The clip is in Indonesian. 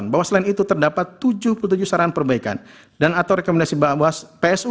bahwa selain itu terdapat tujuh puluh tujuh saran perbaikan dan atau rekomendasi bawas psu